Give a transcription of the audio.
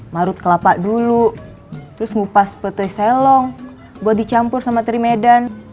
marut kelapa dulu terus ngupas petai selong buat dicampur sama teri medan